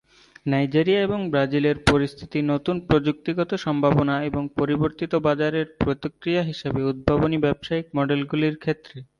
Nigeria এবং ব্রাজিলের পরিস্থিতি নতুন প্রযুক্তিগত সম্ভাবনা এবং পরিবর্তিত বাজারের প্রতিক্রিয়া হিসাবে উদ্ভাবনী ব্যবসায়িক মডেলগুলির ক্ষেত্রে নথিভুক্ত।